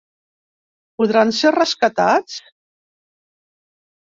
Podran ser rescatats?